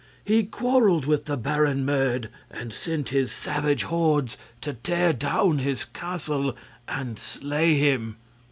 "He quarreled with the Baron Merd and sent his savage hordes to tear down his castle and slay him.